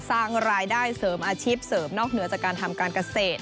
สร้างรายได้เสริมอาชีพเสริมนอกเหนือจากการทำการเกษตร